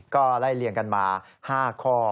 ก็ไล่เลี่ยงกันมา๕ข้อ